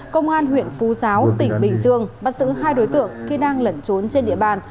công an huyện phú giáo tỉnh bình dương bắt giữ hai đối tượng khi đang lẩn trốn trên địa bàn